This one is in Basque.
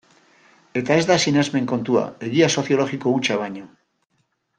Eta ez da sinesmen kontua, egia soziologiko hutsa baino.